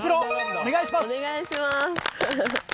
お願いします。